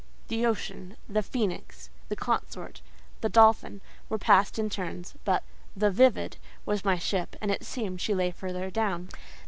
"The Ocean," "The Phoenix," "The Consort," "The Dolphin," were passed in turns; but "The Vivid" was my ship, and it seemed she lay further down.